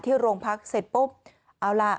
โรงพักเสร็จปุ๊บเอาล่ะ